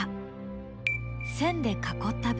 線で囲った部分。